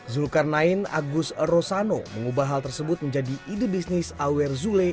zulkarnain agus rosano mengubah hal tersebut menjadi ide bisnis awer zule